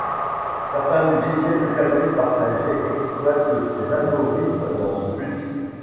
Certains logiciels de calcul partagé exploitent ces algorithmes dans ce but.